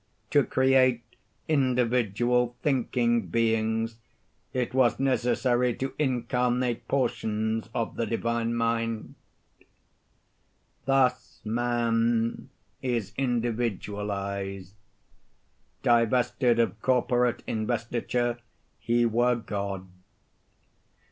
To create individual, thinking beings, it was necessary to incarnate portions of the divine mind. Thus man is individualized. Divested of corporate investiture, he were God.